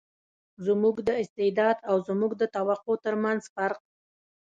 زموږ د استعداد او زموږ د توقع تر منځ فرق.